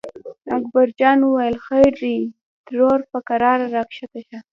اکبر جان وویل: خیر دی ترور په کراره راکښته شه.